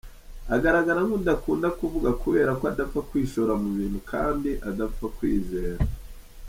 Agaragara nk’udakunda kuvuga kubera ko adapfa kwishora mu bintu kandi adapfa kwizera.